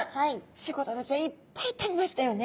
チゴダラちゃんいっぱい食べましたよね。